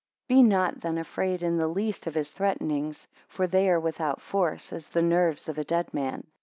33 Be not then afraid in the least of his threatenings, for they are without force, as the nerves of a dead man.